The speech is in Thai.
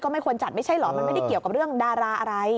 ไม่ควรจัดไม่ใช่เหรอมันไม่ได้เกี่ยวกับเรื่องดาราอะไร